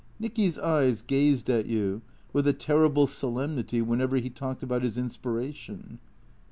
Nicky's eyes gazed at you with a terrible solemnity whenever he talked about his inspiration.